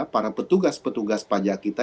para petugas petugas pajak kita